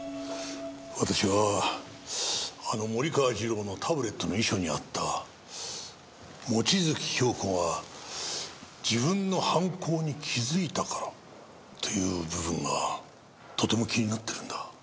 私はあの森川次郎のタブレットの遺書にあった望月京子が自分の犯行に気づいたからという部分がとても気になってるんだ。